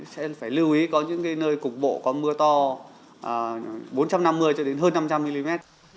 sẽ phải lưu ý có những nơi cục bộ có mưa to bốn trăm năm mươi năm trăm linh mm